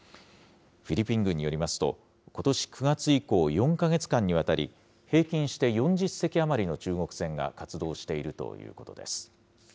フィリピン軍によりますと、ことし９月以降、４か月間にわたり、平均して４０隻余りの中国船が活動しているということです。